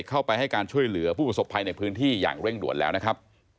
โอ้โหต้องให้กำลังใจจริงในหลายพื้นที่หลายจุดเลยนะคะ